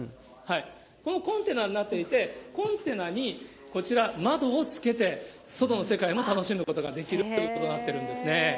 このコンテナになっていて、コンテナにこちら、窓をつけて、外の世界も楽しむことができるということになってるんですね。